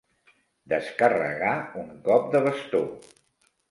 Descarregar un cop de bastó.